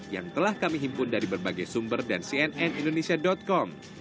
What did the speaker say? yang telah kami himpun dari berbagai sumber dan cnn indonesia com